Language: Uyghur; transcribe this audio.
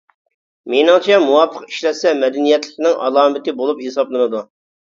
مېنىڭچە، مۇۋاپىق ئىشلەتسە مەدەنىيەتلىكنىڭ ئالامىتى بولۇپ ھېسابلىنىدۇ.